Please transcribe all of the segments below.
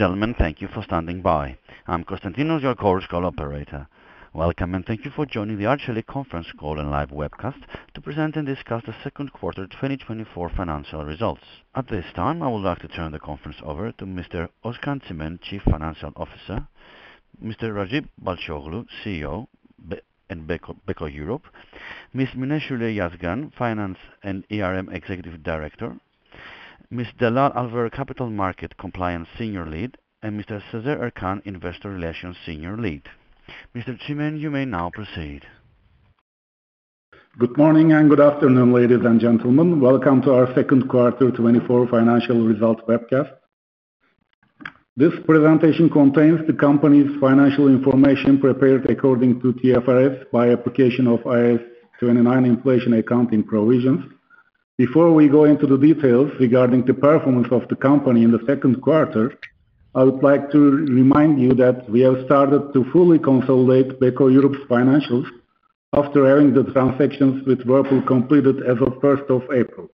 Ladies and gentlemen, thank you for standing by. I'm Konstantinos, your Chorus Call operator. Welcome, and thank you for joining the Arçelik conference call and live webcast to present and discuss the second quarter 2024 financial results. At this time, I would like to turn the conference over to Mr. Özkan Çimen, Chief Financial Officer, Mr. Ragıp Balcıoğlu, CEO, Beko and Beko Europe, Ms. Mine Şule Yazgan, Finance and ERM Executive Director, Ms. Delal Alver, Capital Market Compliance Senior Lead, and Mr. Sezer Erkan, Investor Relations Senior Lead. Mr. Çimen, you may now proceed. Good morning, and good afternoon, ladies and gentlemen. Welcome to our second quarter 2024 financial results webcast. This presentation contains the company's financial information prepared according to TFRS by application of IAS 29 inflation accounting provisions. Before we go into the details regarding the performance of the company in the second quarter, I would like to remind you that we have started to fully consolidate Beko Europe's financials after having the transactions with Whirlpool completed as of 1st of April.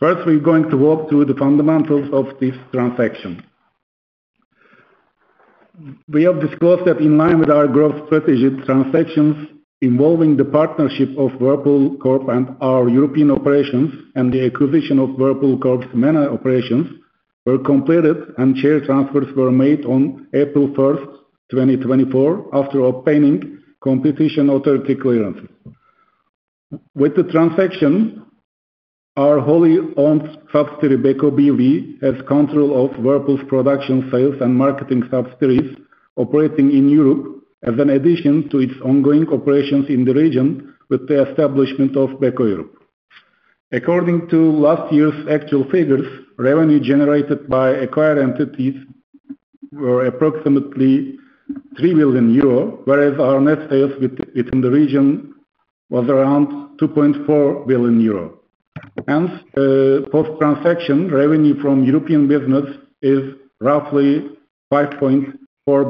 First, we're going to walk through the fundamentals of this transaction. We have disclosed that in line with our growth strategy, transactions involving the partnership of Whirlpool Corp and our European operations, and the acquisition of Whirlpool Corp's MENA operations, were completed and share transfers were made on April 1st, 2024, after obtaining competition authority clearance. With the transaction, our wholly owned subsidiary, Beko B.V., has control of Whirlpool's production, sales, and marketing subsidiaries operating in Europe as an addition to its ongoing operations in the region with the establishment of Beko Europe. According to last year's actual figures, revenue generated by acquired entities were approximately 3 billion euro, whereas our net sales within the region was around 2.4 billion euro. Hence, post-transaction, revenue from European business is roughly 5.4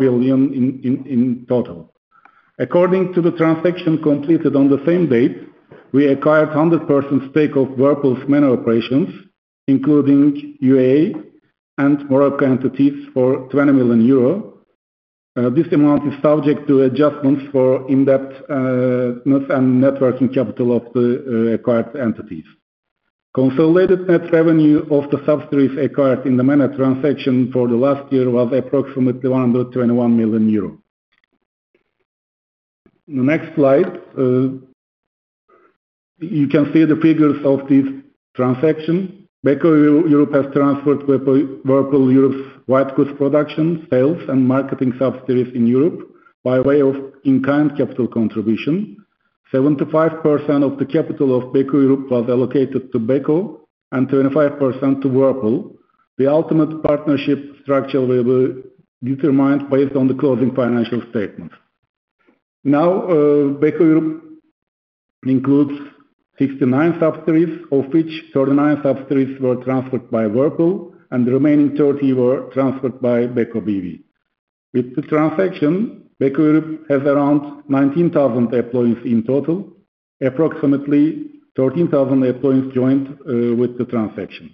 billion in total. According to the transaction completed on the same date, we acquired 100% stake of Whirlpool's MENA operations, including UAE and Morocco entities, for 20 million euro. This amount is subject to adjustments for net debt and net working capital of the acquired entities. Consolidated net revenue of the subsidiaries acquired in the MENA transaction for the last year was approximately 121 million euros. The next slide, you can see the figures of this transaction. Beko Europe has transferred Whirlpool Europe's white goods production, sales, and marketing subsidiaries in Europe by way of in-kind capital contribution. 75% of the capital of Beko Europe was allocated to Beko and 25% to Whirlpool. The ultimate partnership structure will be determined based on the closing financial statements. Now, Beko Europe includes 69 subsidiaries, of which 39 subsidiaries were transferred by Whirlpool and the remaining 30 were transferred by Beko B.V. With the transaction, Beko Europe has around 19,000 employees in total. Approximately 13,000 employees joined with the transaction.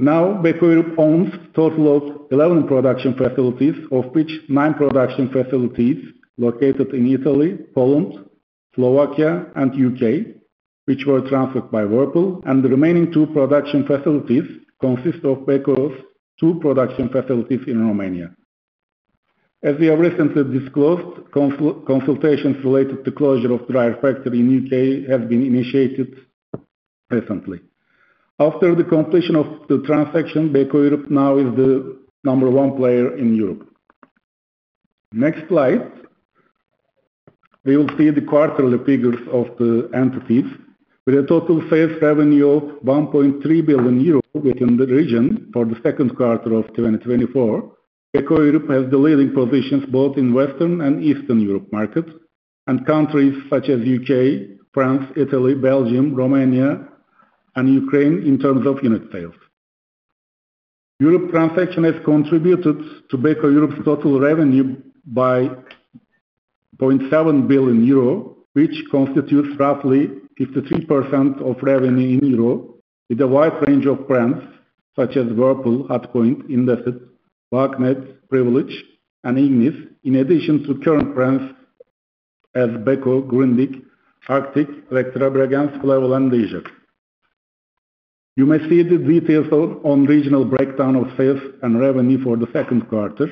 Now, Beko Europe owns a total of 11 production facilities, of which nine production facilities located in Italy, Poland, Slovakia, and U.K., which were transferred by Whirlpool, and the remaining two production facilities consist of Beko's two production facilities in Romania. As we have recently disclosed, consultations related to closure of dryer factory in U.K. have been initiated recently. After the completion of the transaction, Beko Europe now is the number one player in Europe. Next slide. We will see the quarterly figures of the entities with a total sales revenue of 1.3 billion euros within the region for the second quarter of 2024. Beko Europe has the leading positions both in Western and Eastern Europe markets, and countries such as U.K., France, Italy, Belgium, Romania, and Ukraine in terms of unit sales. Europe transaction has contributed to Beko Europe's total revenue by 0.7 billion euro, which constitutes roughly 53% of revenue in Europe, with a wide range of brands such as Whirlpool, Hotpoint, Indesit, Bauknecht, Privileg, and Ignis, in addition to current brands as Beko, Grundig, Arctic, Elektrabregenz, Flavel, and Leisure. You may see the details on regional breakdown of sales and revenue for the second quarter.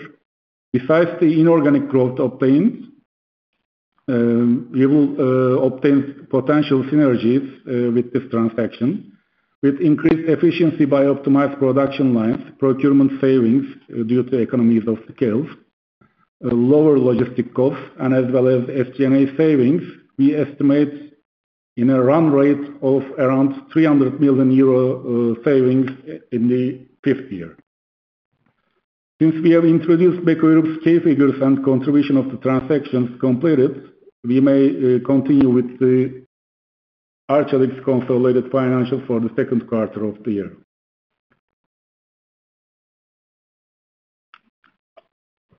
Besides the inorganic growth obtained, we will obtain potential synergies with this transaction. With increased efficiency by optimized production lines, procurement savings due to economies of scale, lower logistics costs, and as well as SG&A savings, we estimate in a run rate of around 300 million euro savings in the fifth year. Since we have introduced Beko Europe's key figures and contribution of the transactions completed, we may continue with the Arçelik's consolidated financials for the second quarter of the year.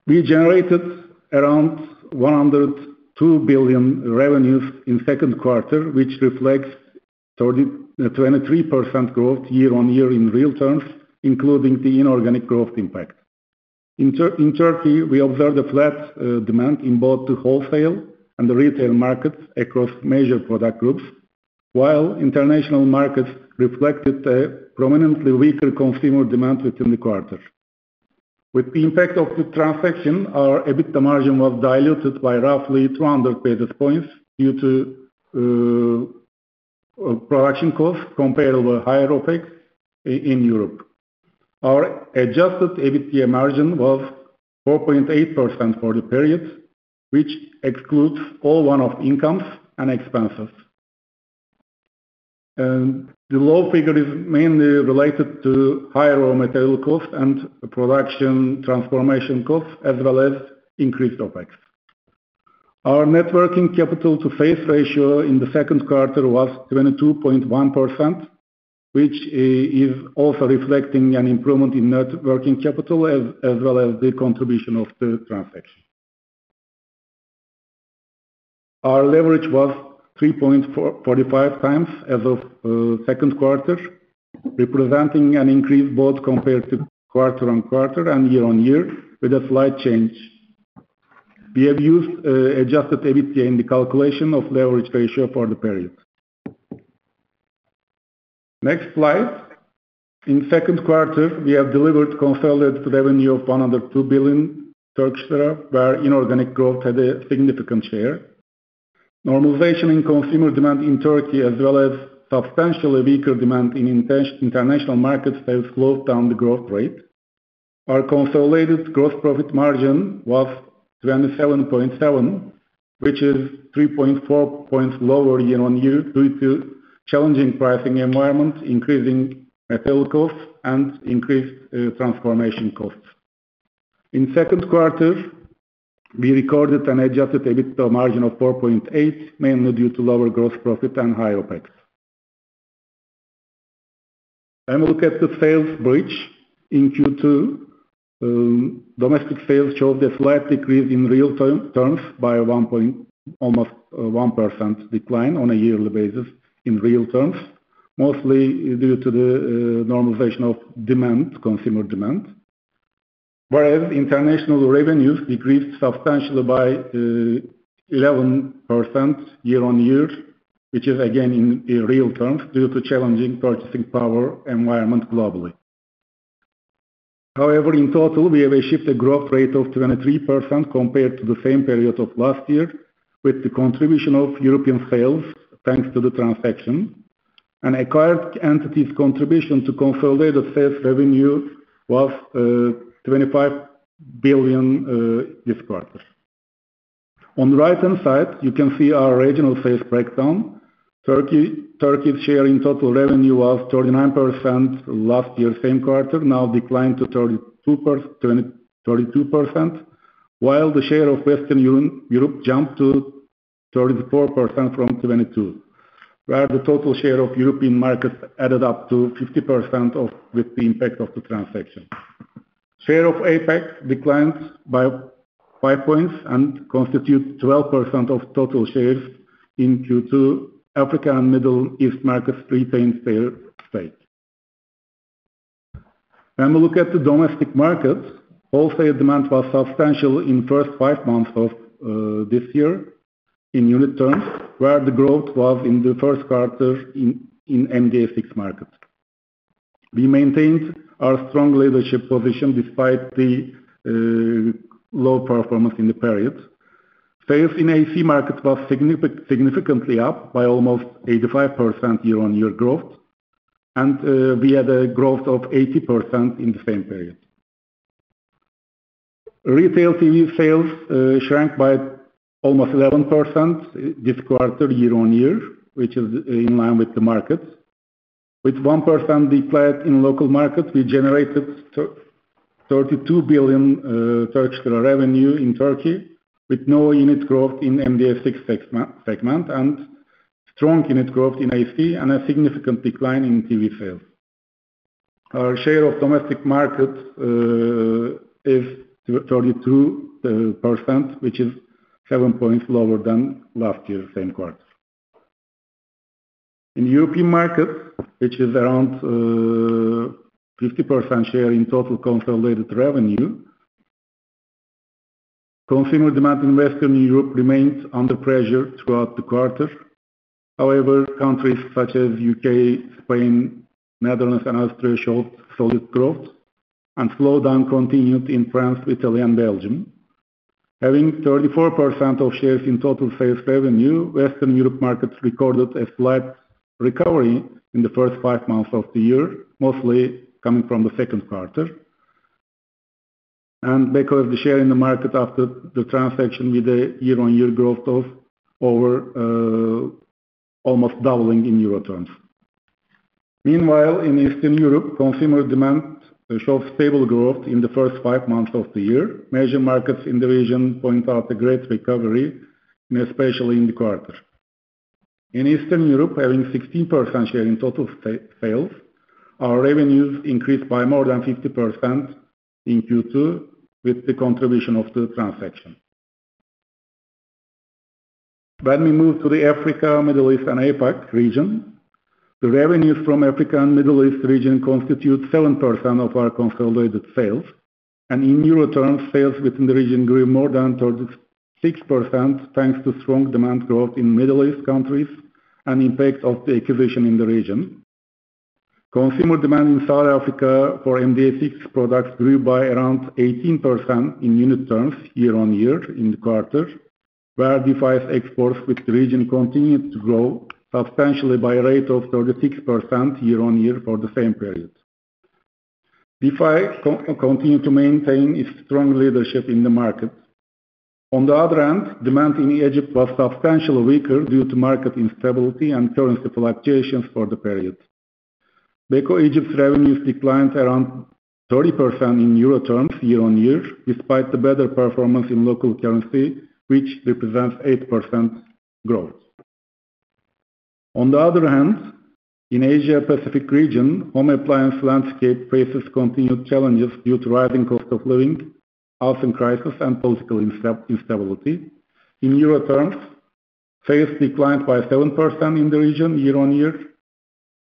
We generated around 102 billion revenues in second quarter, which reflects 23% growth year-on-year in real terms, including the inorganic growth impact. In Turkey, we observed a flat demand in both the wholesale and the retail markets across major product groups, while international markets reflected a prominently weaker consumer demand within the quarter. With the impact of the transaction, our EBITDA margin was diluted by roughly 200 basis points due to production costs comparably higher OpEx in Europe. Our adjusted EBITDA margin was 4.8% for the period, which excludes all one-off incomes and expenses. The low figure is mainly related to higher raw material costs and production transformation costs, as well as increased OpEx. Our net working capital to sales ratio in the second quarter was 22.1%, which is also reflecting an improvement in net working capital, as well as the contribution of the transaction. Our leverage was 3.45x as of second quarter, representing an increase both compared to quarter-on-quarter and year-on-year, with a slight change. We have used adjusted EBITDA in the calculation of leverage ratio for the period. Next slide. In second quarter, we have delivered consolidated revenue of 102 billion Turkish lira, where inorganic growth had a significant share. Normalization in consumer demand in Turkey, as well as substantially weaker demand in international markets, has slowed down the growth rate. Our consolidated gross profit margin was 27.7%, which is 3.4 points lower year-on-year due to challenging pricing environment, increasing material costs, and increased transformation costs. In second quarter, we recorded an adjusted EBITDA margin of 4.8%, mainly due to lower gross profit and higher OpEx. Look at the sales bridge. In Q2, domestic sales showed a slight decrease in real terms by almost 1% decline on a yearly basis in real terms, mostly due to the normalization of consumer demand. Whereas international revenues decreased substantially by 11% year-on-year, which is again in real terms, due to challenging purchasing power environment globally. However, in total, we have achieved a growth rate of 23% compared to the same period of last year, with the contribution of European sales, thanks to the transaction. An acquired entity's contribution to consolidated sales revenue was 25 billion this quarter. On the right-hand side, you can see our regional sales breakdown. Turkey's share in total revenue was 39% last year, same quarter, now declined to 32%, while the share of Western Europe jumped to 34% from 22%, where the total share of European markets added up to 50% with the impact of the transaction. Share of APAC declined by 5 points and constitutes 12% of total shares in Q2. Africa and Middle East markets retained their state. When we look at the domestic markets, wholesale demand was substantial in the first five months of this year, in unit terms, where the growth was in the first quarter in MDA6 markets. We maintained our strong leadership position despite the low performance in the period. Sales in AC markets was significantly up by almost 85% year-on-year growth, and we had a growth of 80% in the same period. Retail TV sales shrank by almost 11% this quarter, year-on-year, which is in line with the market. With 1% decline in local markets, we generated 32 billion revenue in Turkey, with no unit growth in MDA6 segment, and strong unit growth in AC, and a significant decline in TV sales. Our share of domestic market is 32%, which is 7 points lower than last year, same quarter. In European markets, which is around 50% share in total consolidated revenue, consumer demand in Western Europe remained under pressure throughout the quarter. However, countries such as U.K., Spain, Netherlands, and Austria showed solid growth, and slowdown continued in France, Italy, and Belgium. Having 34% of shares in total sales revenue, Western Europe markets recorded a slight recovery in the first 5 months of the year, mostly coming from the second quarter. And because the share in the market after the transaction with a year-on-year growth of over almost doubling in Euro terms. Meanwhile, in Eastern Europe, consumer demand showed stable growth in the first 5 months of the year. Major markets in the region point out a great recovery, and especially in the quarter. In Eastern Europe, having 16% share in total sales, our revenues increased by more than 50% in Q2 with the contribution of the transaction. When we move to the Africa, Middle East, and APAC region, the revenues from Africa and Middle East region constitute 7% of our consolidated sales, and in Euro terms, sales within the region grew more than 36%, thanks to strong demand growth in Middle East countries and impact of the acquisition in the region. Consumer demand in South Africa for MDA6 products grew by around 18% in unit terms, year-on-year in the quarter, where Defy's exports with the region continued to grow substantially by a rate of 36% year-on-year for the same period. Defy continues to maintain its strong leadership in the market. On the other hand, demand in Egypt was substantially weaker due to market instability and currency fluctuations for the period. Beko Egypt's revenues declined around 30% in Euro terms, year-on-year, despite the better performance in local currency, which represents 8% growth. On the other hand, in Asia Pacific region, home appliance landscape faces continued challenges due to rising cost of living, housing crisis, and political instability. In Euro terms, sales declined by 7% in the region, year-on-year,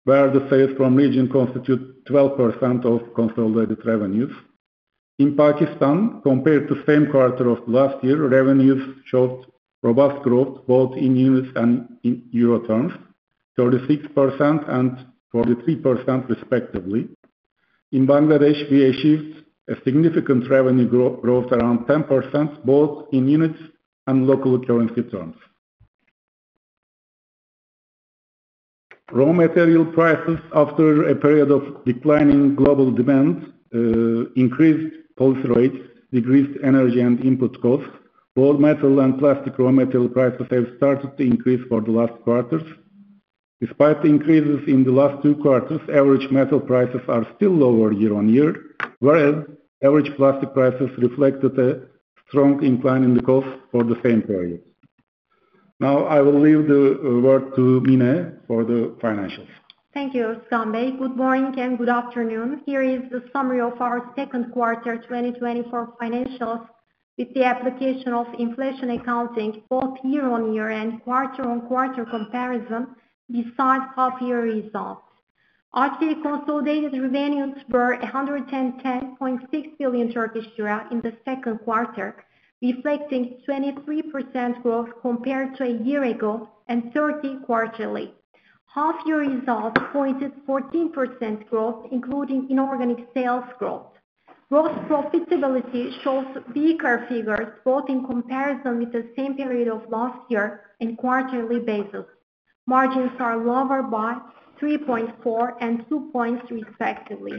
where the sales from region constitute 12% of consolidated revenues. In Pakistan, compared to same quarter of last year, revenues showed robust growth, both in units and in euro terms, 36% and 43% respectively. In Bangladesh, we achieved a significant revenue growth, around 10%, both in units and local currency terms. Raw material prices after a period of declining global demand, increased policy rates, decreased energy and input costs. Raw metal and plastic raw material prices have started to increase for the last quarters. Despite the increases in the last two quarters, average metal prices are still lower year-on-year, whereas average plastic prices reflected a strong incline in the cost for the same period. Now, I will leave the word to Mine for the financials. Thank you, Çimen. Good morning and good afternoon. Here is the summary of our second quarter 2024 financials with the application of inflation accounting, both year-over-year and quarter-over-over comparison, besides half-year results. Arçelik consolidated revenues were TRY 110.6 billion in the second quarter, reflecting 23% growth compared to a year ago and 30 quarterly. Half-year results pointed 14% growth, including inorganic sales growth. Gross profitability shows weaker figures, both in comparison with the same period of last year and quarterly basis. Margins are lower by 3.4 and 2 points, respectively.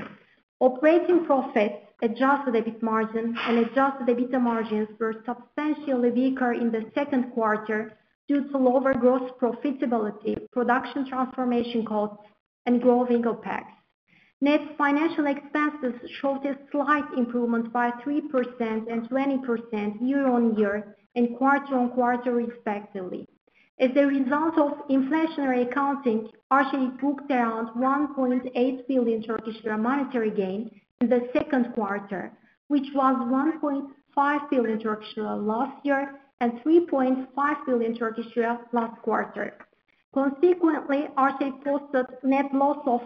Operating profits, adjusted EBIT margins, and adjusted EBITDA margins were substantially weaker in the second quarter due to lower gross profitability, production transformation costs, and growing OpEx. Net financial expenses showed a slight improvement by 3% and 20% year-over-year and quarter-over-over, respectively. As a result of inflationary accounting, Arçelik booked around 1.8 billion Turkish lira monetary gain in the second quarter, which was 1.5 billion Turkish lira last year and 3.5 billion Turkish lira last quarter. Consequently, Arçelik posted net loss of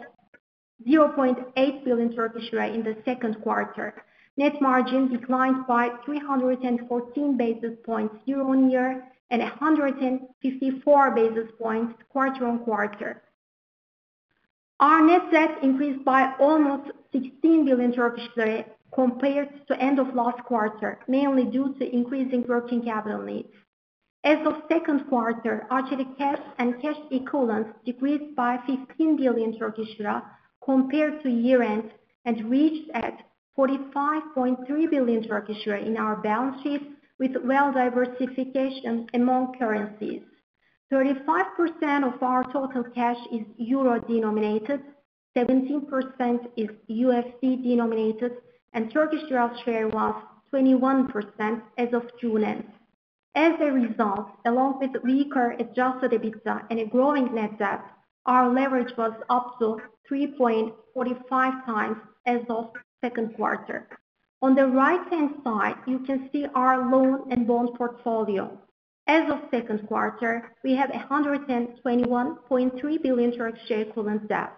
0.8 billion Turkish lira in the second quarter. Net margin declined by 314 basis points year-on-year and 154 basis points quarter-on-quarter. Our net debt increased by almost 16 billion Turkish lira compared to end of last quarter, mainly due to increasing working capital needs. As of second quarter, Arçelik cash and cash equivalents decreased by 15 billion Turkish lira compared to year-end, and reached at 45.3 billion Turkish lira in our balance sheet with well diversification among currencies. 35% of our total cash is Euro-denominated, 17% is USD-denominated, and Turkish lira share was 21% as of June end. As a result, along with weaker adjusted EBITDA and a growing net debt, our leverage was up to 3.45x as of second quarter. On the right-hand side, you can see our loan and bond portfolio. As of second quarter, we have 121.3 billion equivalent debt.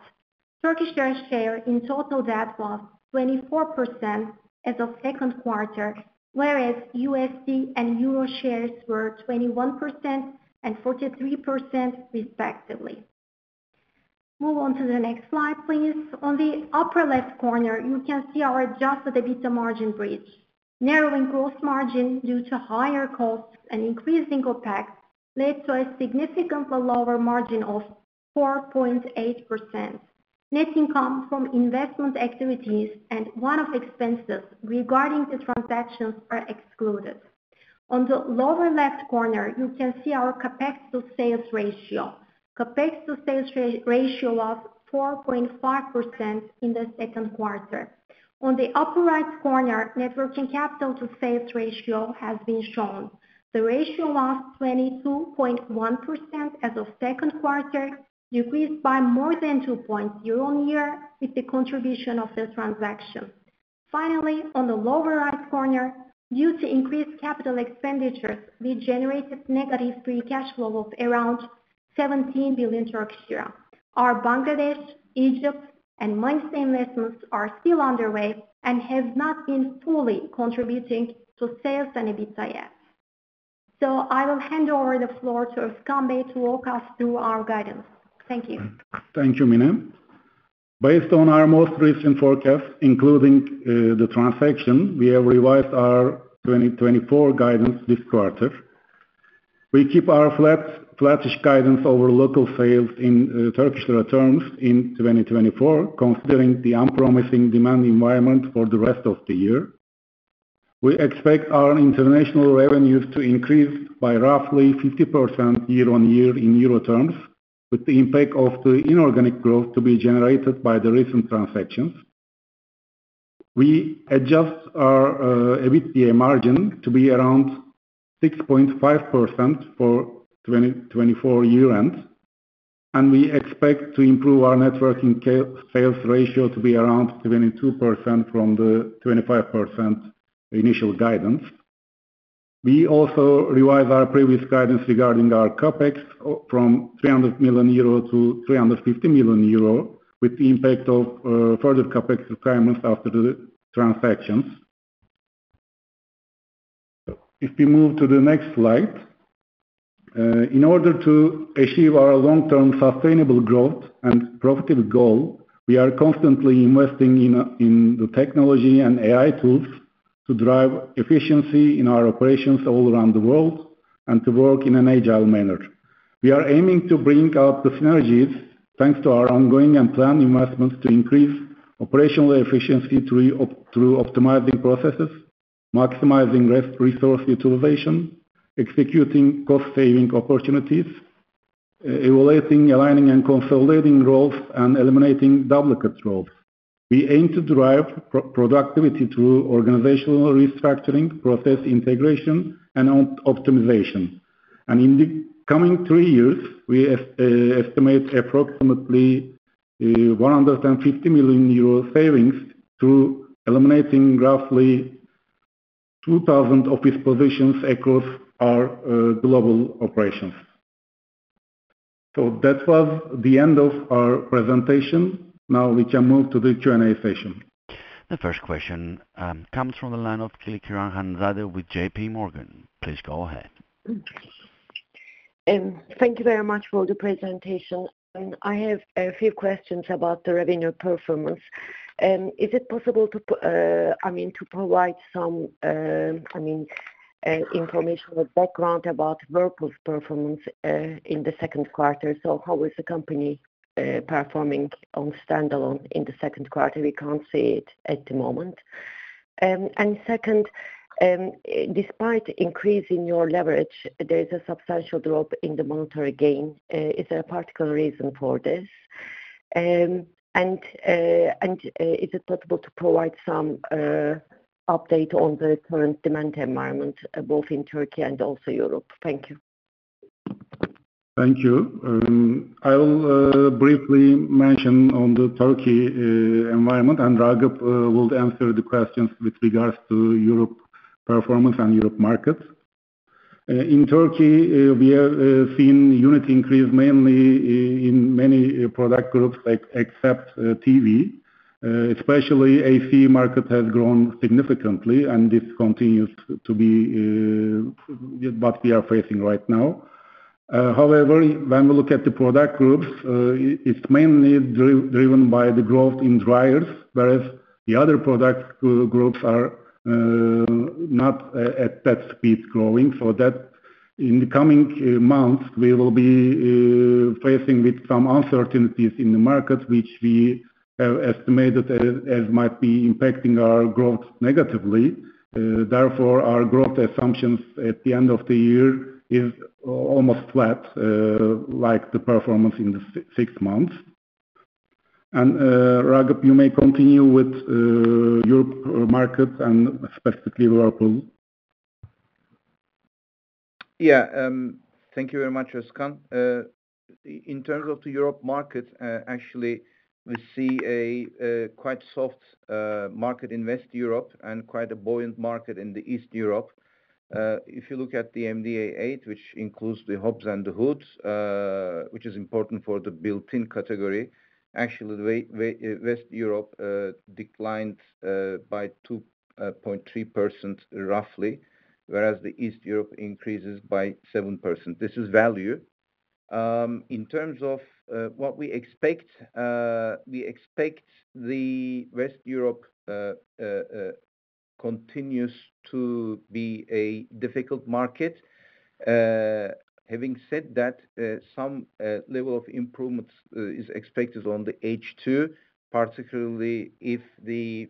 Turkish lira share in total debt was 24% as of second quarter, whereas USD and Euro shares were 21% and 43% respectively. Move on to the next slide, please. On the upper left corner, you can see our adjusted EBITDA margin bridge. Narrowing gross margin due to higher costs and increasing OpEx led to a significantly lower margin of 4.8%. Net income from investment activities and one-off expenses regarding the transactions are excluded. On the lower left corner, you can see our CapEx to sales ratio. CapEx to sales ratio of 4.5% in the second quarter. On the upper right corner, net working capital to sales ratio has been shown. The ratio lost 22.1% as of second quarter, decreased by more than 2.0 year-on-year with the contribution of the transaction. Finally, on the lower right corner, due to increased capital expenditures, we generated negative free cash flow of around 17 billion Turkish lira. Our Bangladesh, Egypt, and Malaysia investments are still underway and have not been fully contributing to sales and EBITDA yet. So I will hand over the floor to Özkan Bey to walk us through our guidance. Thank you. Thank you, Mine. Based on our most recent forecast, including the transaction, we have revised our 2024 guidance this quarter. We keep our flattish guidance over local sales in Turkish lira terms in 2024, considering the unpromising demand environment for the rest of the year. We expect our international revenues to increase by roughly 50% year-on-year in euro terms, with the impact of the inorganic growth to be generated by the recent transactions. We adjust our EBITDA margin to be around 6.5% for 2024 year end, and we expect to improve our net working capital-sales ratio to be around 22% from the 25% initial guidance. We also revise our previous guidance regarding our CapEx from 300 million euro to 350 million euro, with the impact of further CapEx requirements after the transactions. If we move to the next slide. In order to achieve our long-term sustainable growth and profitable goal, we are constantly investing in the technology and AI tools to drive efficiency in our operations all around the world and to work in an agile manner. We are aiming to bring out the synergies thanks to our ongoing and planned investments to increase operational efficiency through optimizing processes, maximizing resource utilization, executing cost saving opportunities, evaluating, aligning, and consolidating roles, and eliminating duplicate roles. We aim to drive productivity through organizational restructuring, process integration, and optimization. In the coming three years, we estimate approximately 150 million euro savings through eliminating roughly 2,000 office positions across our global operations. So that was the end of our presentation. Now we can move to the Q&A session. The first question comes from the line of Hanzade Kılıçkıran with JPMorgan. Please go ahead. Thank you very much for the presentation. I have a few questions about the revenue performance. Is it possible to provide some information or background about Whirlpool's performance in the second quarter? So how is the company performing on standalone in the second quarter? We can't see it at the moment. And second, despite increasing your leverage, there is a substantial drop in the monetary gain. Is there a particular reason for this? And is it possible to provide some update on the current demand environment, both in Turkey and also Europe? Thank you. Thank you. I will briefly mention on the Turkey environment, and Ragıp will answer the questions with regards to Europe performance and Europe markets. In Turkey, we have seen unit increase mainly in many product groups except TV. Especially AC market has grown significantly, and this continues to be what we are facing right now. However, when we look at the product groups, it's mainly driven by the growth in dryers, whereas the other product groups are not at that speed growing. So that in the coming months, we will be facing with some uncertainties in the market, which we have estimated as might be impacting our growth negatively. Therefore, our growth assumptions at the end of the year is almost flat, like the performance in the six months. Ragıp, you may continue with Europe market and specifically Whirlpool. Yeah, thank you very much, Özkan. In terms of the Europe market, actually, we see a quite soft market in West Europe and quite a buoyant market in East Europe. If you look at the MDA8, which includes the hobs and the hoods, which is important for the built-in category, actually, the West Europe declined by 2.3% roughly, whereas the East Europe increases by 7%. This is value. In terms of what we expect, we expect the West Europe continues to be a difficult market. Having said that, some level of improvements is expected on the H2, particularly if the...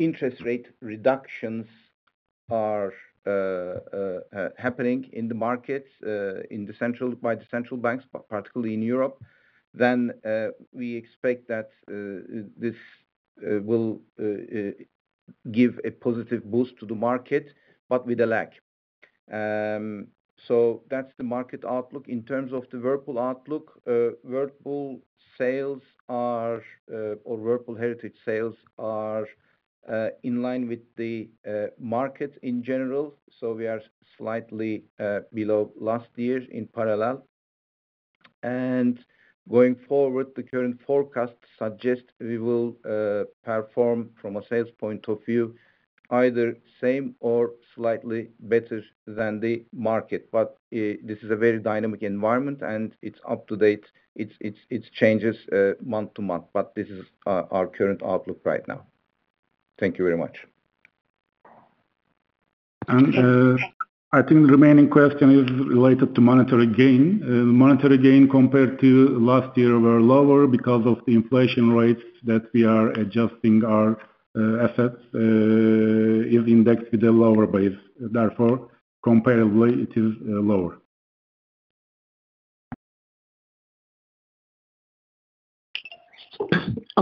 Interest rate reductions are happening in the markets, by the central banks, particularly in Europe. Then we expect that this will give a positive boost to the market, but with a lag. So that's the market outlook. In terms of the Whirlpool outlook, Whirlpool sales are, or Whirlpool heritage sales are, in line with the market in general, so we are slightly below last year in parallel. And going forward, the current forecast suggests we will perform from a sales point of view, either same or slightly better than the market. But this is a very dynamic environment, and it's up to date. It changes month to month, but this is our current outlook right now. Thank you very much. I think the remaining question is related to monetary gain. Monetary gain compared to last year were lower because of the inflation rates that we are adjusting our assets is indexed with a lower base, therefore, comparably it is lower.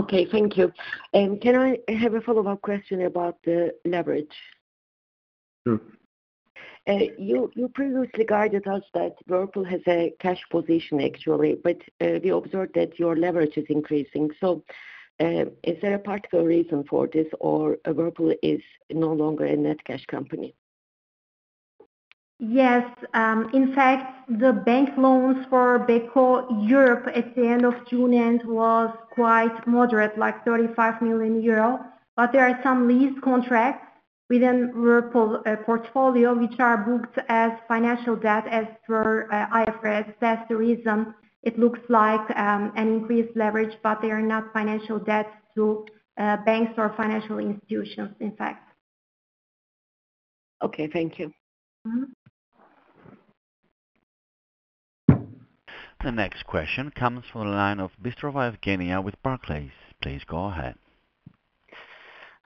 Okay, thank you. Can I have a follow-up question about the leverage? Sure. You previously guided us that Whirlpool has a cash position, actually, but we observed that your leverage is increasing. So, is there a particular reason for this, or Whirlpool is no longer a net cash company? Yes, in fact, the bank loans for Beko Europe at the end of June end, was quite moderate, like 35 million euro. But there are some lease contracts within Whirlpool portfolio, which are booked as financial debt as per IFRS. That's the reason it looks like an increased leverage, but they are not financial debts to banks or financial institutions, in fact. Okay, thank you. Mm-hmm. The next question comes from the line of Bystrova Evgeniya with Barclays. Please go ahead.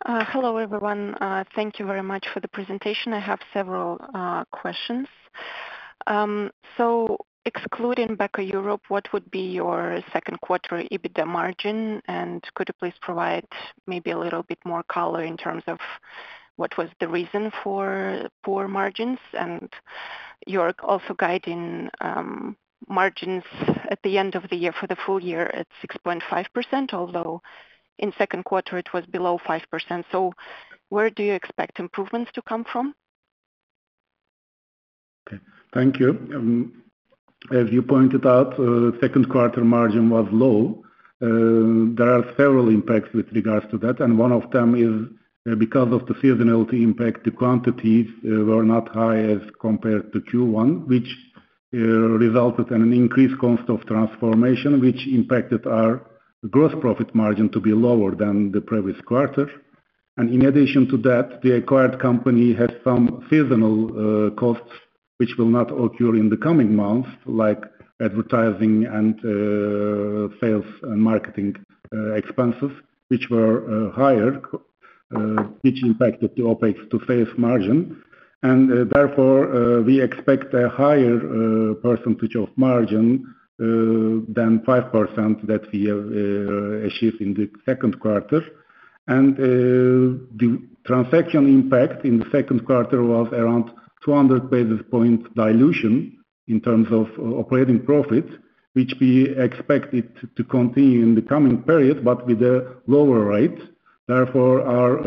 Hello, everyone. Thank you very much for the presentation. I have several questions. So excluding Beko Europe, what would be your second quarter EBITDA margin? And could you please provide maybe a little bit more color in terms of what was the reason for poor margins? And you're also guiding margins at the end of the year for the full year at 6.5%, although in second quarter it was below 5%. So where do you expect improvements to come from? Thank you. As you pointed out, second quarter margin was low. There are several impacts with regards to that, and one of them is, because of the seasonality impact, the quantities were not high as compared to Q1, which resulted in an increased cost of transformation, which impacted our gross profit margin to be lower than the previous quarter. And in addition to that, the acquired company has some seasonal costs, which will not occur in the coming months, like advertising and sales and marketing expenses, which were higher, which impacted the OpEx to sales margin. And, therefore, we expect a higher percentage of margin than 5% that we have achieved in the second quarter. And, the transaction impact in the second quarter was around 200 basis points dilution in terms of operating profit, which we expect it to continue in the coming period, but with a lower rate. Therefore, our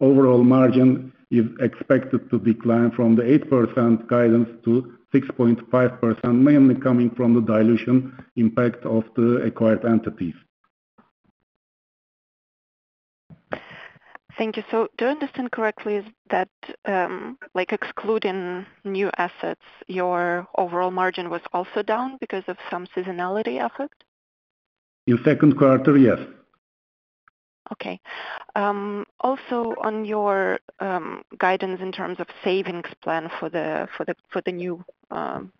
overall margin is expected to decline from the 8% guidance to 6.5%, mainly coming from the dilution impact of the acquired entities. Thank you. So do I understand correctly that, like excluding new assets, your overall margin was also down because of some seasonality effect? In second quarter, yes. Okay. Also on your guidance in terms of savings plan for the new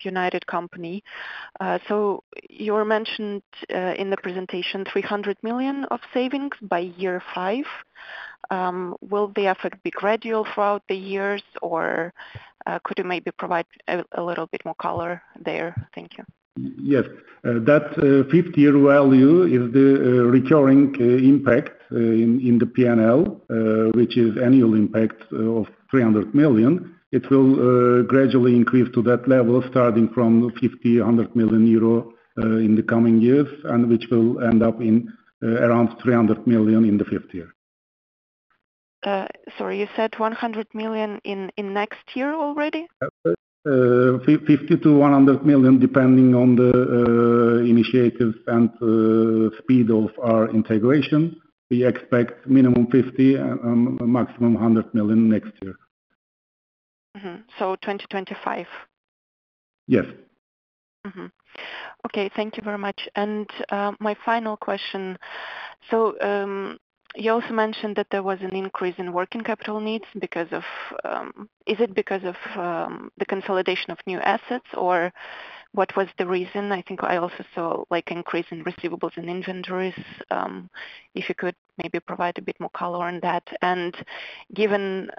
United Company. So you mentioned in the presentation 300 million of savings by year five. Will the effort be gradual throughout the years, or could you maybe provide a little bit more color there? Thank you. Yes. That fifth year value is the recurring impact in the P&L, which is annual impact of 300 million. It will gradually increase to that level, starting from 50 million euro, 100 million euro in the coming years, and which will end up in around 300 million in the fifth year. Sorry, you said 100 million in next year already? 50-100 million, depending on the initiatives and speed of our integration. We expect minimum 50 million and maximum 100 million next year. Mm-hmm. So 2025?... Yes. Mm-hmm. Okay, thank you very much. And my final question: so you also mentioned that there was an increase in working capital needs because of, is it because of the consolidation of new assets, or what was the reason? I think I also saw, like, increase in receivables and inventories. If you could maybe provide a bit more color on that. And given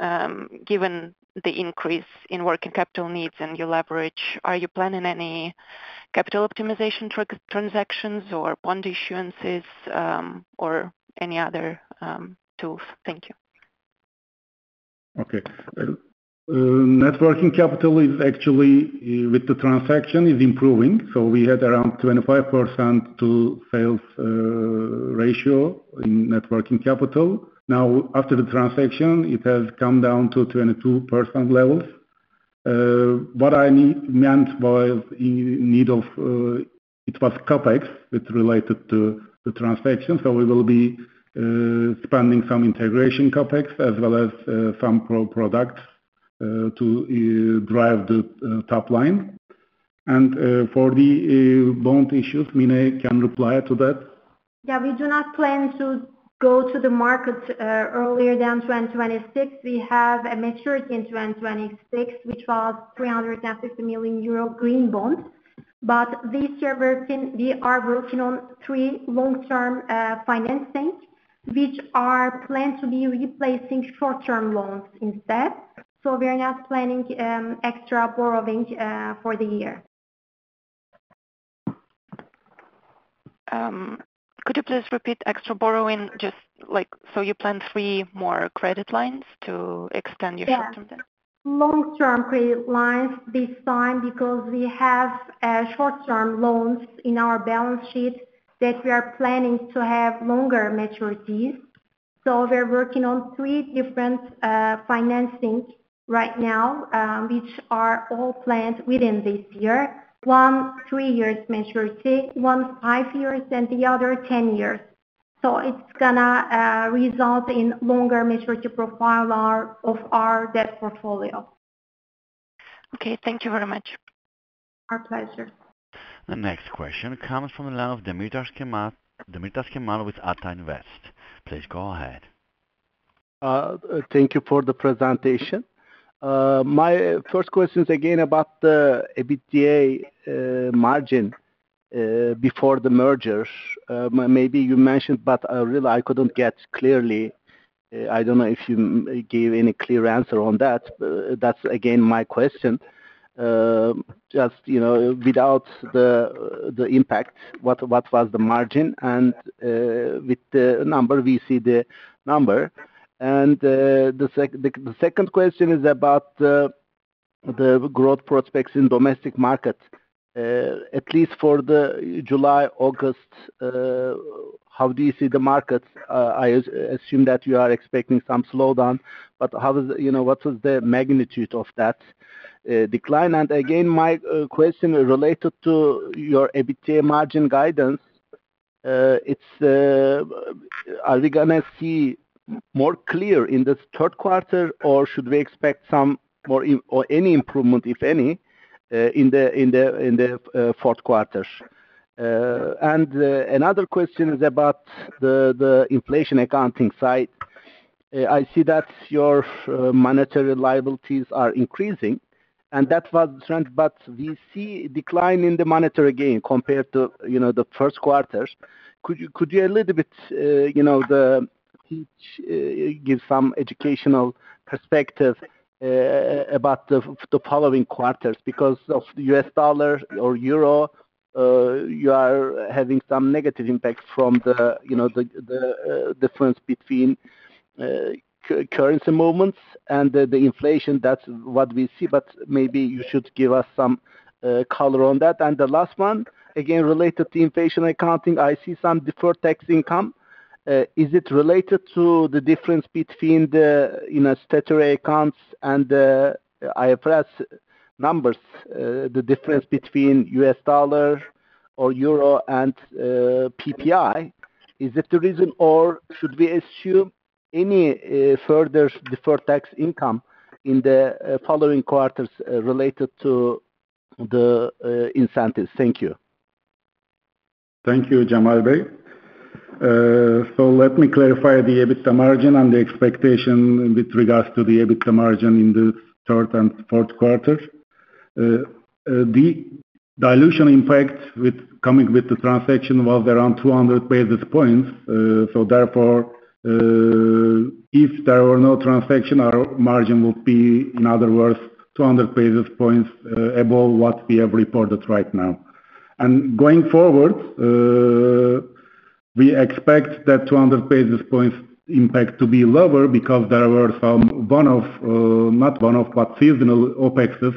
the increase in working capital needs and your leverage, are you planning any capital optimization transactions or bond issuances, or any other tools? Thank you. Okay. Net working capital is actually, with the transaction, is improving. So we had around 25% to sales ratio in net working capital. Now, after the transaction, it has come down to 22% levels. What I meant was in need of, it was CapEx that related to the transaction, so we will be spending some integration CapEx as well as some products to drive the top line. And, for the bond issues, Mine can reply to that. Yeah, we do not plan to go to the market earlier than 2026. We have a maturity in 2026, which was 350 million euro green bond. But this year we're working on three long-term financing, which are planned to be replacing short-term loans instead. So we are not planning extra borrowing for the year. Could you please repeat extra borrowing, just like, so you plan three more credit lines to extend your short-term then? Yeah. Long-term credit lines this time, because we have short-term loans in our balance sheet that we are planning to have longer maturities. So we're working on three different financings right now, which are all planned within this year. One, 3 years maturity, one, 5 years, and the other, 10 years. So it's gonna result in longer maturity profile our, of our debt portfolio. Okay, thank you very much. Our pleasure. The next question comes from the line of Demirtaş Cemal. Demirtaş Cemal with Ata Invest, please go ahead. Thank you for the presentation. My first question is again about the EBITDA margin before the merger. Maybe you mentioned, but I really couldn't get clearly. I don't know if you gave any clear answer on that. That's again my question. Just, you know, without the impact, what was the margin? And the second question is about the growth prospects in domestic markets. At least for July, August, how do you see the markets? I assume that you are expecting some slowdown, but how is... You know, what is the magnitude of that decline? And again, my question related to your EBITDA margin guidance, it's, are we gonna see more clear in this third quarter, or should we expect some more or any improvement, if any, in the fourth quarter? And another question is about the inflation accounting side. I see that your monetary liabilities are increasing, and that was trend, but we see decline in the monetary gain compared to, you know, the first quarters. Could you a little bit, you know, give some educational perspective about the following quarters, because of the U.S. dollar or euro you are having some negative impact from the, you know, the difference between currency movements and the inflation. That's what we see, but maybe you should give us some color on that. The last one, again, related to inflation accounting, I see some deferred tax income. Is it related to the difference between the, you know, statutory accounts and the IFRS numbers? The difference between U.S. dollar or euro and PPI, is it the reason, or should we assume any further deferred tax income in the following quarters, related to the incentives? Thank you. Thank you, Cemal Bey. So let me clarify the EBITDA margin and the expectation with regards to the EBITDA margin in the third and fourth quarters. The dilution impact with coming with the transaction was around 200 basis points. So therefore, if there were no transaction, our margin would be, in other words, 200 basis points above what we have reported right now. And going forward, we expect that 200 basis points impact to be lower because there were some one-off, not one-off, but seasonal OpExes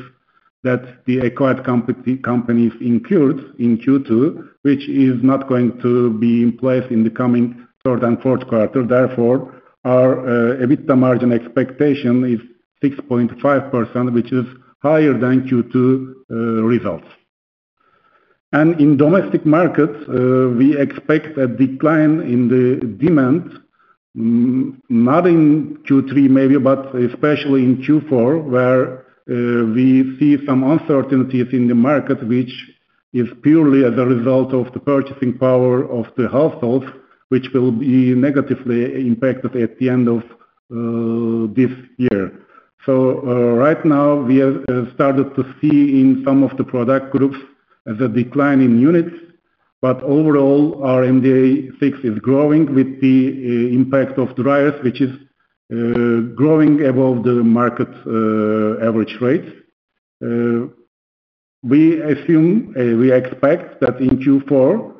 that the acquired companies incurred in Q2, which is not going to be in place in the coming third and fourth quarter. Therefore, our EBITDA margin expectation is 6.5%, which is higher than Q2 results. In domestic markets, we expect a decline in the demand, not in Q3 maybe, but especially in Q4, where we see some uncertainties in the market, which is purely as a result of the purchasing power of the households, which will be negatively impacted at the end of this year. So, right now, we have started to see in some of the product groups as a decline in units, but overall, our MDA6 is growing with the impact of dryers, which is growing above the market average rate. We assume we expect that in Q4,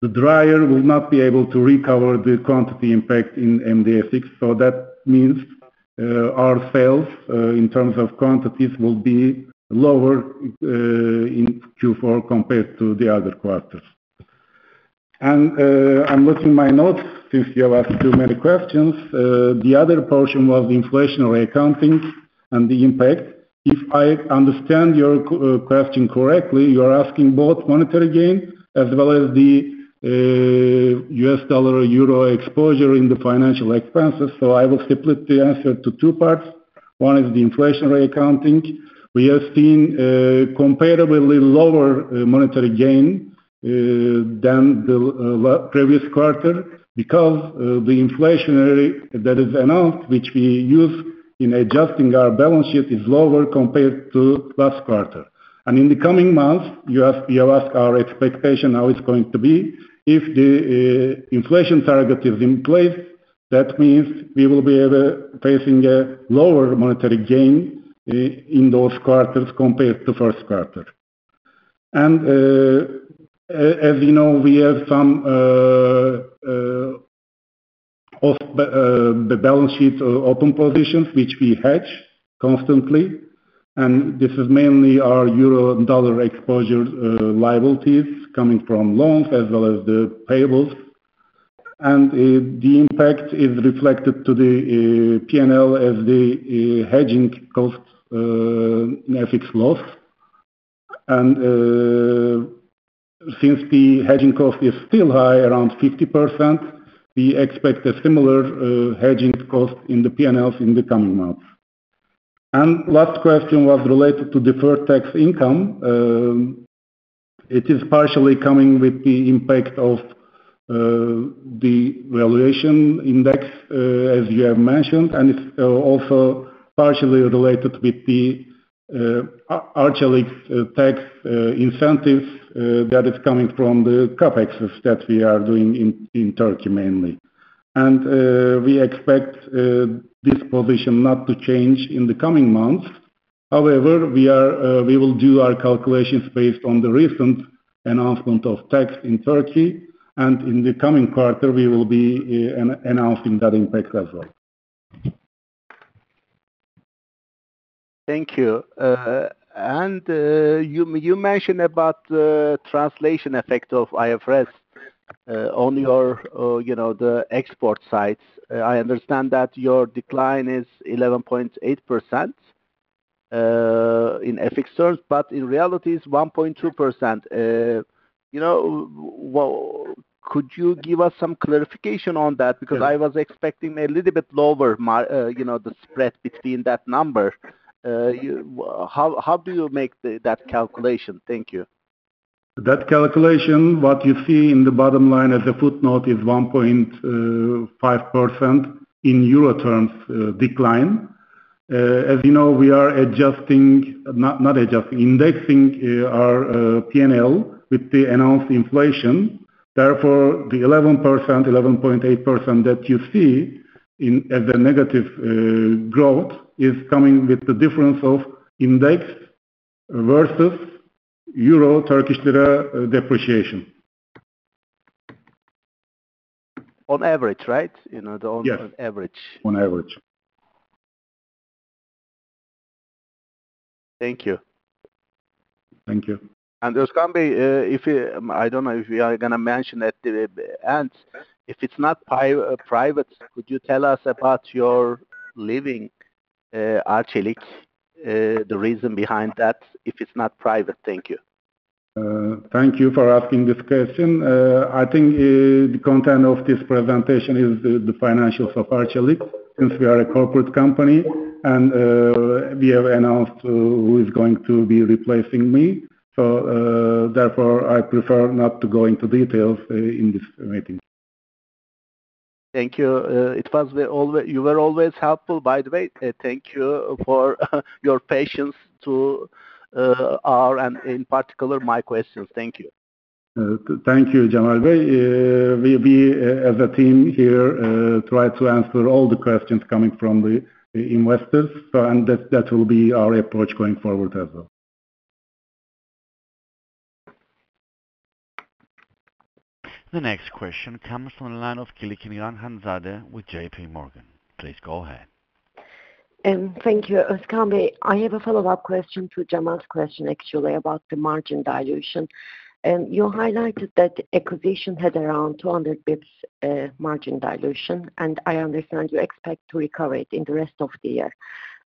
the dryer will not be able to recover the quantity impact in MDA6. So that means our sales in terms of quantities will be lower in Q4 compared to the other quarters. I'm looking my notes, since you have asked too many questions. The other portion was the inflation accounting and the impact. If I understand your question correctly, you're asking both monetary gain as well as the US dollar/euro exposure in the financial expenses. So I will split the answer to two parts. One is the inflation accounting. We have seen comparably lower monetary gain than the previous quarter, because the inflation that is announced, which we use in adjusting our balance sheet, is lower compared to last quarter. In the coming months, you have asked our expectation, how it's going to be. If the inflation target is in place, that means we will be able facing a lower monetary gain in those quarters compared to first quarter. As you know, we have some off the balance sheet open positions, which we hedge constantly, and this is mainly our euro and dollar exposure, liabilities coming from loans as well as the payables. The impact is reflected to the P&L as the hedging cost in FX loss. Since the hedging cost is still high, around 50%, we expect a similar hedging cost in the PNLs in the coming months. Last question was related to deferred tax income. It is partially coming with the impact of the valuation index, as you have mentioned, and it's also partially related with Arçelik's tax incentives that is coming from the CapEx that we are doing in Turkey mainly. We expect this position not to change in the coming months. However, we will do our calculations based on the recent announcement of tax in Turkey, and in the coming quarter, we will be announcing that impact as well. Thank you. You mentioned about the translation effect of IFRS on your, you know, the export side. I understand that your decline is 11.8% in FX terms, but in reality, it's 1.2%. You know, well, could you give us some clarification on that? Because I was expecting a little bit lower, you know, the spread between that number. How do you make that calculation? Thank you. That calculation, what you see in the bottom line as a footnote, is 1.5% in euro terms, decline. As you know, we are adjusting, not, not adjusting, indexing, our P&L with the announced inflation. Therefore, the 11%, 11.8% that you see in, at the negative, growth, is coming with the difference of index versus euro/Turkish lira depreciation. On average, right? You know, Yes. On average. On average. Thank you. Thank you. Özkan, if you, I don't know if you are gonna mention it, and if it's not private, could you tell us about your leaving, Arçelik? The reason behind that, if it's not private. Thank you. Thank you for asking this question. I think, the content of this presentation is the financials of Arçelik, since we are a corporate company, and we have announced who is going to be replacing me. So, therefore, I prefer not to go into details in this meeting. Thank you. You were always helpful, by the way. Thank you for your patience to our, and in particular, my questions. Thank you. Thank you, Cemal Bey. We'll be, as a team here, try to answer all the questions coming from the investors, and that will be our approach going forward as well. The next question comes from the line of Hanzade Kılıçkıran with JPMorgan. Please go ahead.... And thank you, Özkan Bey. I have a follow-up question to Cemal question actually, about the margin dilution. And you highlighted that the acquisition had around 200 basis points margin dilution, and I understand you expect to recover it in the rest of the year.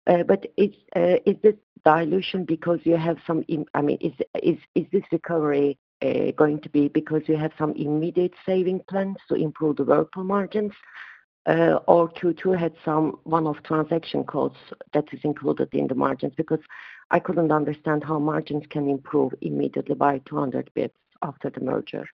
But is this dilution because you have some in—I mean, is this recovery going to be because you have some immediate saving plans to improve the Whirlpool margins, or Q2 had some one-off transaction costs that is included in the margins? Because I couldn't understand how margins can improve immediately by 200 basis points after the merger.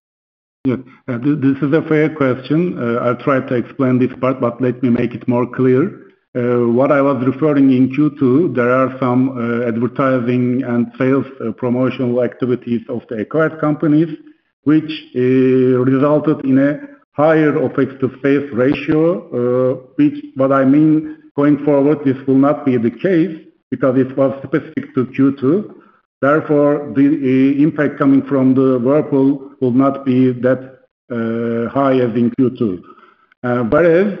Yeah. This is a fair question. I'll try to explain this part, but let me make it more clear. What I was referring in Q2, there are some advertising and sales promotional activities of the acquired companies, which resulted in a higher OpEx to sales ratio. Which what I mean, going forward, this will not be the case because it was specific to Q2. Therefore, the impact coming from the Whirlpool will not be that high as in Q2. Whereas,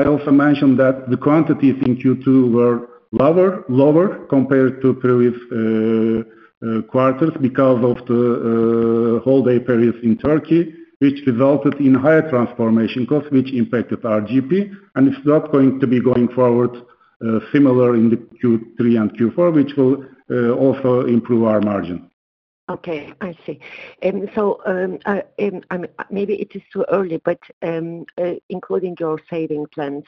I also mentioned that the quantities in Q2 were lower compared to previous quarters because of the holiday periods in Turkey, which resulted in higher transformation costs, which impacted our GP, and it's not going to be going forward similar in the Q3 and Q4, which will also improve our margin. Okay, I see. And so, maybe it is too early, but, including your saving plans,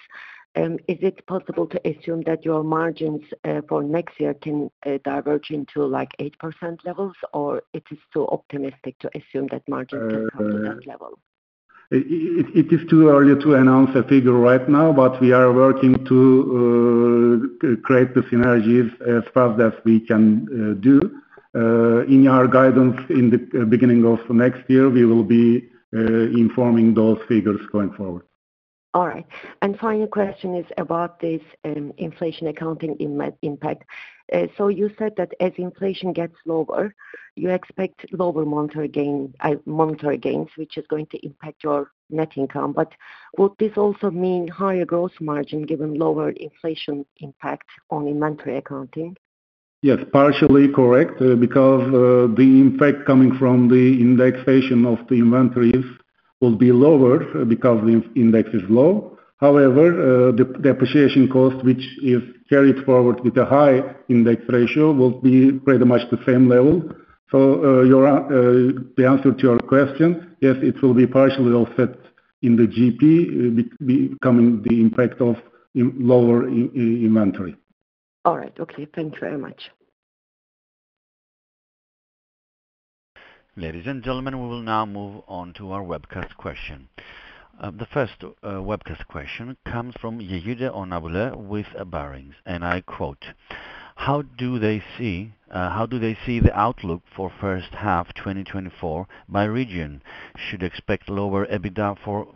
is it possible to assume that your margins, for next year can, diverge into, like, 8% levels, or it is too optimistic to assume that margins can come to that level? It is too early to announce a figure right now, but we are working to create the synergies as fast as we can. In our guidance in the beginning of next year, we will be informing those figures going forward. All right. And final question is about this, inflation accounting in impact. So you said that as inflation gets lower, you expect lower monetary gain, monetary gains, which is going to impact your net income. But would this also mean higher gross margin given lower inflation impact on inventory accounting? Yes, partially correct, because the impact coming from the indexation of the inventories will be lower because the index is low. However, the appreciation cost, which is carried forward with a high index ratio, will be pretty much the same level. So, the answer to your question, yes, it will be partially offset in the GP being the impact of lower inventory. All right. Okay, thank you very much. Ladies and gentlemen, we will now move on to our webcast question. The first webcast question comes from Yejide Onabule with Barings, and I quote, "How do they see the outlook for first half 2024 by region? Should expect lower EBITDA for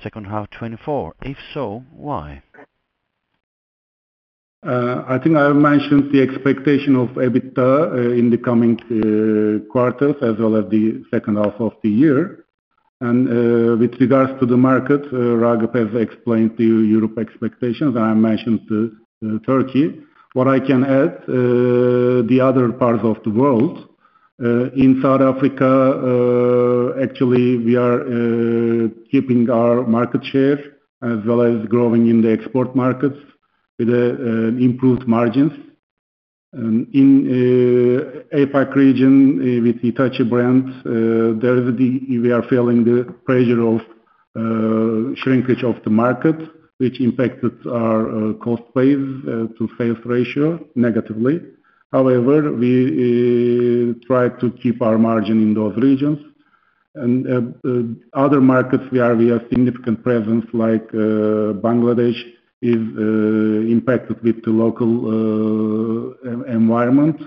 second half 2024. If so, why? I think I mentioned the expectation of EBITDA in the coming quarters, as well as the second half of the year. And, with regards to the market, Ragıp has explained to you Europe expectations, and I mentioned Turkey. What I can add, the other parts of the world, in South Africa, actually we are keeping our market share as well as growing in the export markets with improved margins. In APAC region, with Hitachi brand, we are feeling the pressure of shrinkage of the market, which impacted our cost base to sales ratio negatively. However, we try to keep our margin in those regions. And, other markets we are, we have significant presence like, Bangladesh is impacted with the local environment.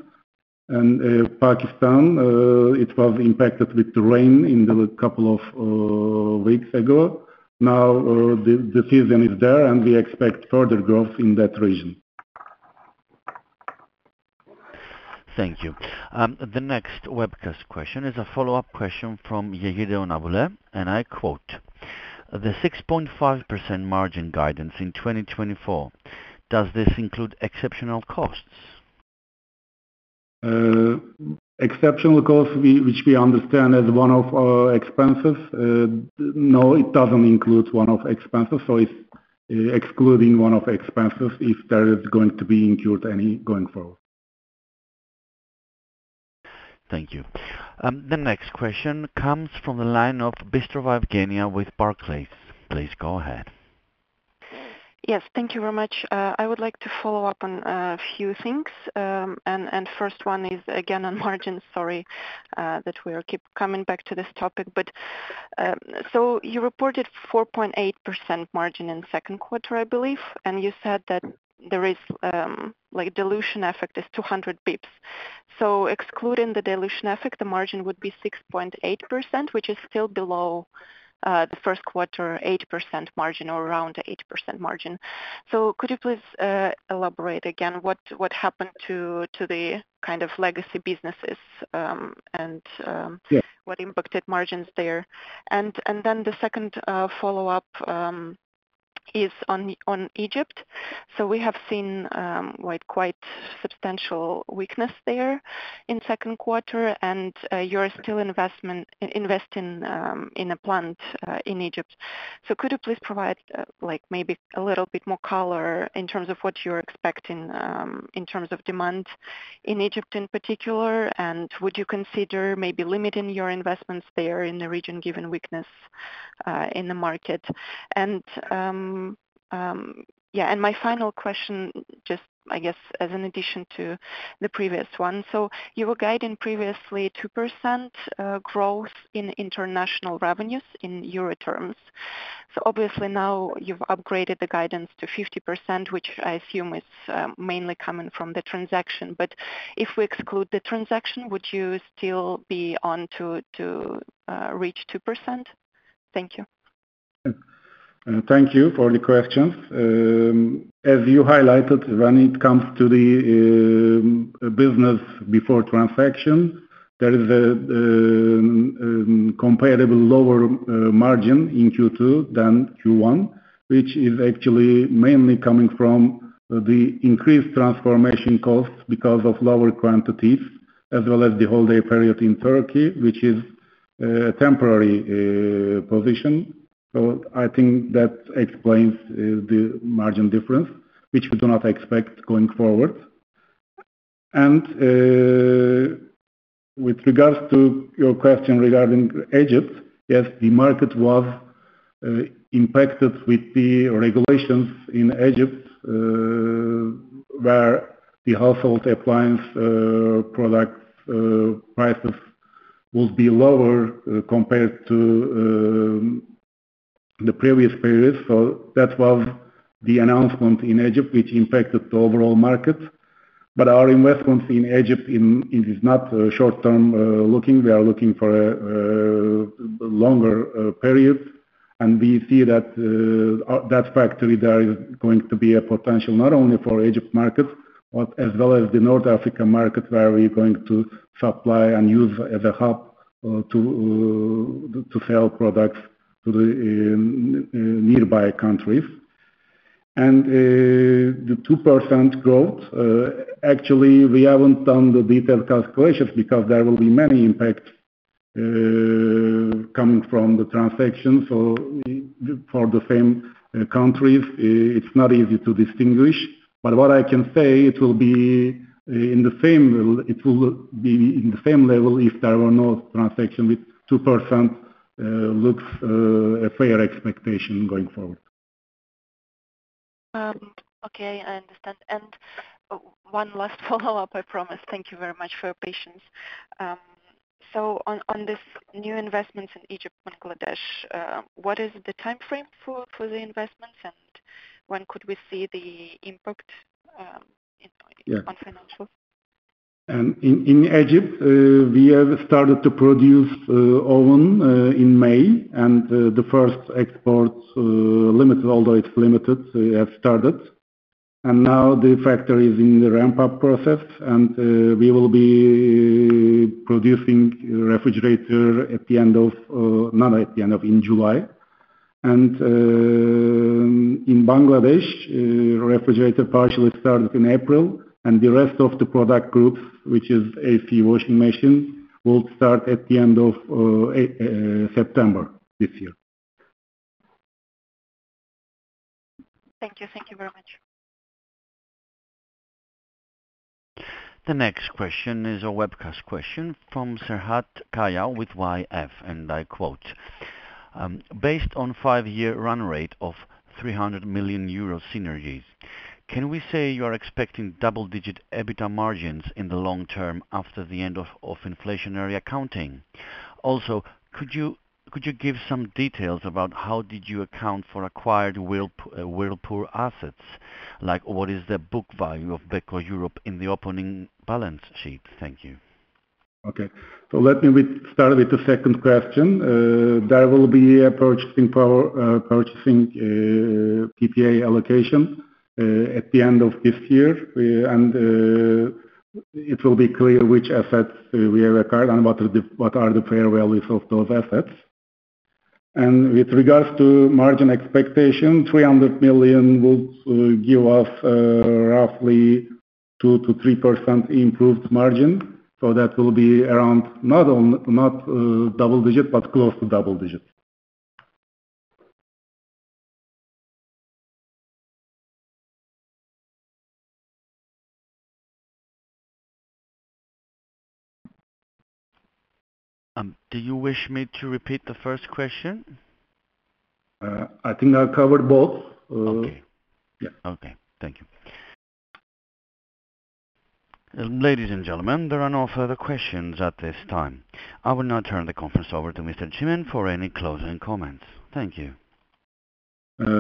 Pakistan, it was impacted with the rain in the couple of weeks ago. Now, the season is there, and we expect further growth in that region. Thank you. The next webcast question is a follow-up question from Yejide Onabule, and I quote, "The 6.5% margin guidance in 2024, does this include exceptional costs? Exceptional costs, which we understand as one of our expenses, no, it doesn't include one-off expenses. So it's excluding one-off expenses if there is going to be incurred any going forward. Thank you. The next question comes from the line of Bystrova Evgeniya with Barclays. Please go ahead. Yes, thank you very much. I would like to follow up on a few things. And first one is again on margin. Sorry that we are keep coming back to this topic, but so you reported 4.8% margin in second quarter, I believe, and you said that there is like dilution effect is 200 basis points. So excluding the dilution effect, the margin would be 6.8%, which is still below the first quarter 8% margin or around 8% margin. So could you please elaborate again what happened to the kind of legacy businesses and Yes. What impacted margins there? And then the second follow-up is on Egypt. So we have seen quite substantial weakness there in second quarter, and you're still investing in a plant in Egypt. So could you please provide like maybe a little bit more color in terms of what you're expecting in terms of demand in Egypt in particular? And would you consider maybe limiting your investments there in the region, given weakness in the market? And yeah, and my final question, just I guess as an addition to the previous one. So you were guiding previously 2% growth in international revenues in euro terms. So obviously now you've upgraded the guidance to 50%, which I assume is mainly coming from the transaction. But if we exclude the transaction, would you still be on to reach 2%? Thank you. Thank you for the questions. As you highlighted, when it comes to the business before transaction, there is a comparable lower margin in Q2 than Q1, which is actually mainly coming from the increased transformation costs because of lower quantities, as well as the holiday period in Turkey, which is a temporary position. So I think that explains the margin difference, which we do not expect going forward. And with regards to your question regarding Egypt, yes, the market was impacted with the regulations in Egypt, where the household appliance products prices would be lower compared to the previous periods. So that was the announcement in Egypt, which impacted the overall market. But our investments in Egypt, it is not short-term looking. We are looking for a longer period, and we see that that factory there is going to be a potential not only for Egypt market, but as well as the North African market, where we're going to supply and use as a hub to sell products to the nearby countries. And, the 2% growth, actually, we haven't done the detailed calculations because there will be many impacts coming from the transaction. So for the same countries, it's not easy to distinguish. But what I can say, it will be in the same, it will be in the same level if there were no transaction, with 2%, looks a fair expectation going forward. Okay, I understand. And one last follow-up, I promise. Thank you very much for your patience. So on, on this new investments in Egypt and Bangladesh, what is the timeframe for, for the investments, and when could we see the impact on financial? In Egypt, we have started to produce oven in May, and the first export, limited, although it's limited, so we have started. Now the factory is in the ramp-up process, and we will be producing refrigerator at the end of, not at the end of, in July. In Bangladesh, refrigerator partially started in April, and the rest of the product groups, which is AC washing machine, will start at the end of September this year. Thank you. Thank you very much. The next question is a webcast question from Serhat Kaya with YF, and I quote, "'Based on five-year run rate of 300 million euro synergies, can we say you are expecting double-digit EBITDA margins in the long term after the end of inflationary accounting? Also, could you give some details about how did you account for acquired Whirlpool assets, like what is the book value of Beko Europe in the opening balance sheet?' Thank you. Okay, so let me start with the second question. There will be a purchase price PPA allocation at the end of this year. And it will be clear which assets we have acquired and what are the fair values of those assets. And with regards to margin expectation, 300 million will give us roughly 2%-3% improved margin. So that will be around, not double-digit, but close to double-digit. Do you wish me to repeat the first question? I think I covered both. Okay. Yeah. Okay, thank you. Ladies and gentlemen, there are no further questions at this time. I will now turn the conference over to Mr. Çimen for any closing comments. Thank you.